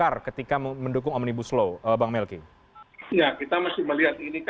apakah ini adalah hal yang bisa dianggap sebagai hal yang bergantung pada partai golkar ketika mendukung omnibus law